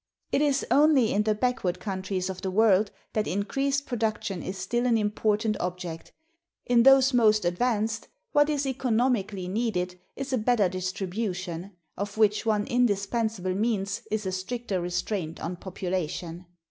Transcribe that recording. It is only in the backward countries of the world that increased production is still an important object; in those most advanced, what is economically needed is a better distribution, of which one indispensable means is a stricter restraint on population.